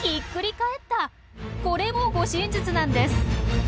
これも護身術なんです。